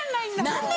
何で？